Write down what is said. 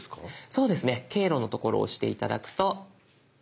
そうですね「経路」の所を押して頂くと。